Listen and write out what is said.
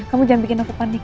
kamu jangan bikin aku panik